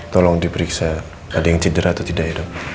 tolong diperiksa ada yang cedera atau tidak ya dok